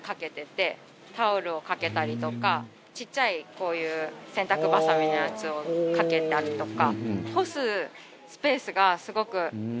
ちっちゃいこういう洗濯ばさみのやつを掛けたりとか。